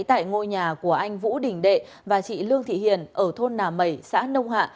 tại ngôi nhà của anh vũ đình đệ và chị lương thị hiền ở thôn nà mẩy xã nông hạ